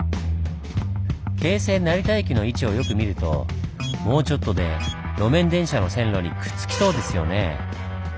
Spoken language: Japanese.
京成成田駅の位置をよく見るともうちょっとで路面電車の線路にくっつきそうですよね？